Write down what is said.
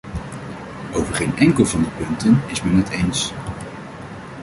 Over geen enkel van die punten is men het eens.